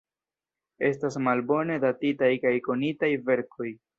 Estas malbone datitaj kaj konitaj verkoj.